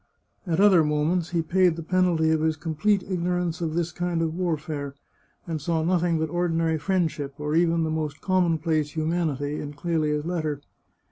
At other moments he paid the penalty of his complete ignorance of this kind of warfare, and saw nothing but ordinary friend ship, or even the most commonplace humanity, in Clelia's letter.